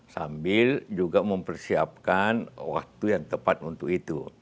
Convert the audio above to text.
dan mereka juga mempersiapkan waktu yang tepat untuk itu